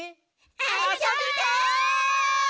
「あそびたい！」